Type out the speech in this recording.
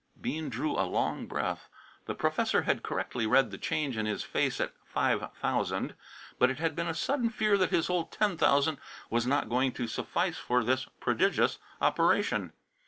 Bean drew a long breath. The professor had correctly read the change in his face at "five thousand," but it had been a sudden fear that his whole ten thousand was not going to suffice for this prodigious operation.